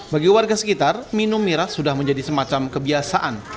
bagi warga sekitar minum miras sudah menjadi semacam kebiasaan